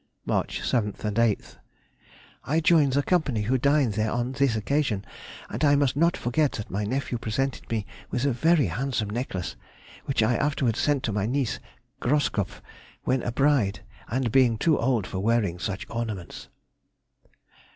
March 7th and 8th.—I joined the company who dined there on this occasion, and I must not forget that my nephew presented me with a very handsome necklace, which I afterwards sent to my niece Groskopf, when a bride, and I being too old for wearing such ornaments.